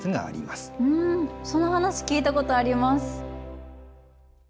その話聞いたことあります。